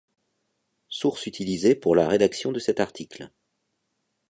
Sources utilisé pour la rédaction de cet article.